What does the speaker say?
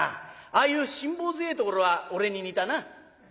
ああいう辛抱強えところは俺に似たな」。